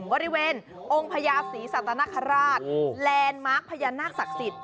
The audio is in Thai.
บริเวณองค์พญาศรีสัตนคราชแลนด์มาร์คพญานาคศักดิ์สิทธิ